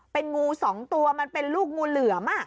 เป็นงูสองตัวมันเป็นลูกงูเหลือม